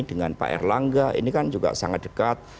dengan pak erlangga ini kan juga sangat dekat